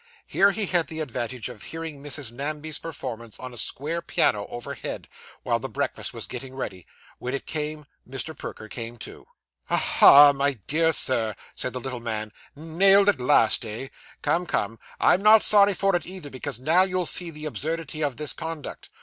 Here he had the advantage of hearing Mrs. Namby's performance on a square piano overhead, while the breakfast was getting ready; when it came, Mr. Perker came too. 'Aha, my dear sir,' said the little man, 'nailed at last, eh? Come, come, I'm not sorry for it either, because now you'll see the absurdity of this conduct.